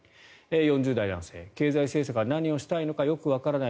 ４０代男性、経済政策は何をしたいのかよくわからない。